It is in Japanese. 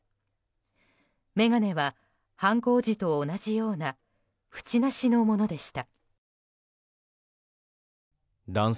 眼鏡は犯行時と同じような縁なしのものでした。